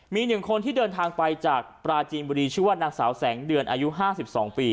มีหนึ่งคนที่เดินทางไปจากปลาจีนบุรีชื่อว่านักสาวแสงเดือนอายุห้าสิบสองปี